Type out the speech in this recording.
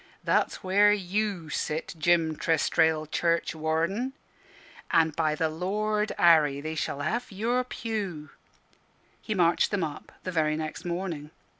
That's where you sit, Jim Trestrail, churchwarden; and by the Lord Harry, they shall have your pew." He marched them up the very next morning.